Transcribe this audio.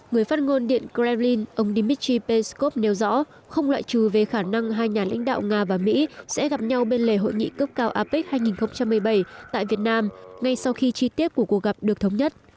người phát ngôn điện kremlin ông dmitry peskov nêu rõ không loại trừ về khả năng hai nhà lãnh đạo nga và mỹ sẽ gặp nhau bên lề hội nghị cấp cao apec hai nghìn một mươi bảy tại việt nam ngay sau khi chi tiết của cuộc gặp được thống nhất